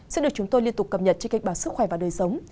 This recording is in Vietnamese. sẽ được chúng tôi liên tục cập nhật trên kênh bảo sức khỏe và đời sống